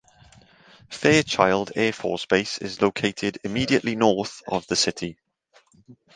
Fairchild Air Force Base is located immediately north of the city.